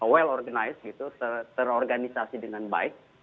well organized gitu terorganisasi dengan baik